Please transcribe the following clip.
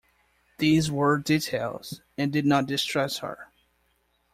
These were details, and did not distress her.